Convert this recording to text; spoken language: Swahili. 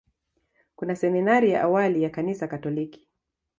Kuna seminari ya awali ya Kanisa Katoliki.